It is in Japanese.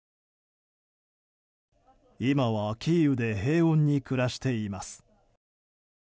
今はキーウで平穏に暮らしています。